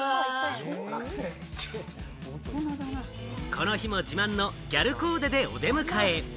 この日も自慢のギャルコーデでお出迎え。